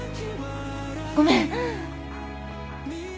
ごめん！